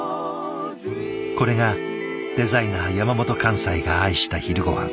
これがデザイナー山本寛斎が愛した昼ごはん。